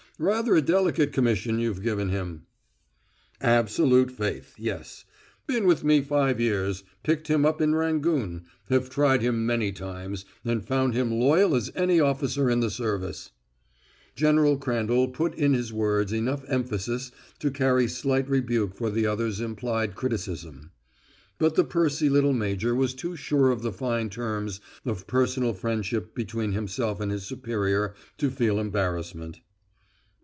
"Rather a delicate commission you've given him." "Absolute faith, yes. Been with me five years picked him up in Rangoon have tried him many times, and found him loyal as any officer in the service." General Crandall put in his words enough emphasis to carry slight rebuke for the other's implied criticism. But the pursy little major was too sure of the fine terms of personal friendship between himself and his superior to feel embarrassment.